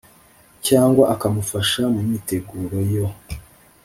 Cyangwa akamufasha mu myiteguro yo